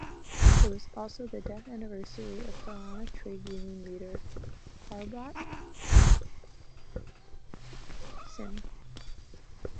It was also the death anniversary of Haryana trade-union leader Prabhat Singh.